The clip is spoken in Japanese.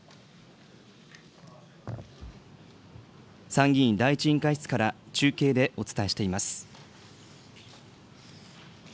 参議院第１委員会室から中継でお伝えしています。